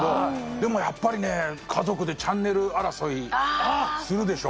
でもやっぱりね家族でチャンネル争いするでしょ？